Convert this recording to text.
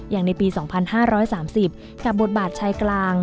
อย่างในปี๒๕๓๐กับบทบาทชายกลาง